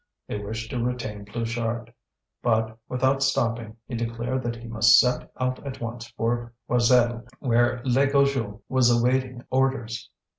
They wished to retain Pluchart, but, without stopping, he declared that he must set out at once for Joiselle, where Legoujeux was awaiting orders.